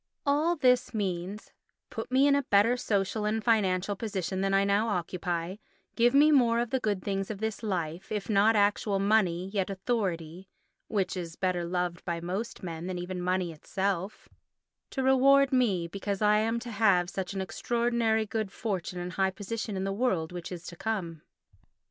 All this means: "Put me in a better social and financial position than I now occupy; give me more of the good things of this life, if not actual money yet authority (which is better loved by most men than even money itself), to reward me because I am to have such an extraordinary good fortune and high position in the world which is to come."